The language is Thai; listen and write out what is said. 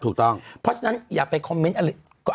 เพราะฉะนั้นอยากไปคอมเม้นท์อะไร